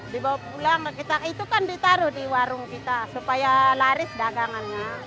dibawa pulang ke kita itu kan ditaruh di warung kita supaya laris dagangannya